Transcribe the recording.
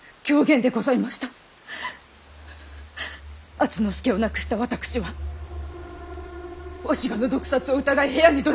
敦之助を亡くした私はお志賀の毒殺を疑い部屋にどなり込み。